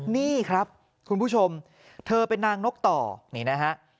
นี่ครับคุณผู้ชมเธอเป็นนางนกต่อนี่นะฮะ